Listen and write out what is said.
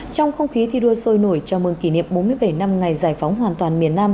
trong không khí thi đua sôi nổi chào mừng kỷ niệm bốn mươi bảy năm ngày giải phóng hoàn toàn miền nam